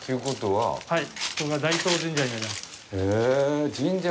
はい。